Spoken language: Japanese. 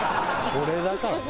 「これだからね。